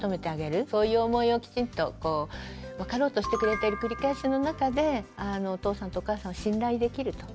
そういう思いをきちんと分かろうとしてくれてる繰り返しの中でお父さんとお母さんを信頼できると。